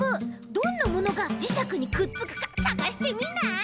どんなものがじしゃくにくっつくかさがしてみない？